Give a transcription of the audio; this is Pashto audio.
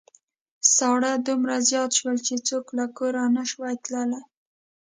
ساړه دومره زيات شول چې څوک له کوره نشوای تللای.